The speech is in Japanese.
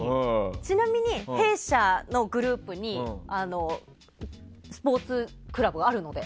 ちなみに、弊社のグループにスポーツクラブがあるので。